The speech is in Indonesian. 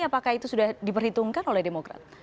apakah itu sudah diperhitungkan oleh demokrat